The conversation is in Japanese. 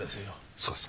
そうですか。